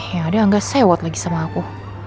ya dia gak sewot lagi sama aku